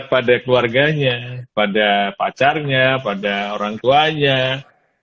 pada keluarganya pada pacarnya pada orangtuanya ya kan ya ini yang yang kita harus perhatinkan